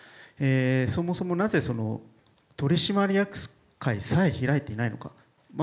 そもそも、なぜ取締役会さえ開いていないのか。